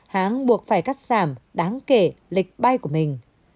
hãng buộc phải cắt giảm đáng kể lịch bay của mình